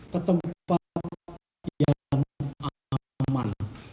ketempat yang aman